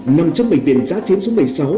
nằm trong bệnh viện giá tiến số một mươi sáu